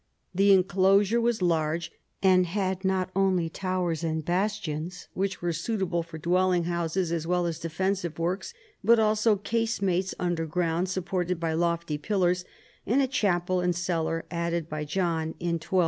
The enclosure was large, and had not only towers and bastions, which were suitable for dwelling houses as well as defensive works, but also casemates underground, supported by lofty pillars, and a chapel and cellar added by John in 1202.